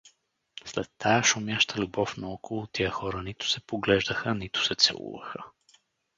Сред тая шумяща любов наоколо тия хора нито се поглеждаха, нито се целуваха.